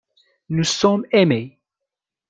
Nous sommes aimés.